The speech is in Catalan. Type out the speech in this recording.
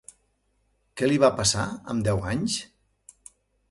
Què li va passar amb deu anys?